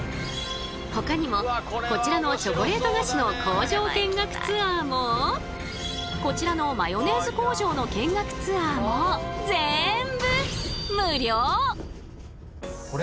ほかにもこちらのチョコレート菓子の工場見学ツアーもこちらのマヨネーズ工場の見学ツアーもぜんぶ無料！